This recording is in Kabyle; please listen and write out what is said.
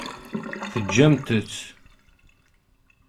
Tgamt-tt.